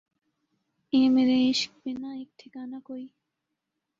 اے مرے عشق بنا ایک ٹھکانہ کوئی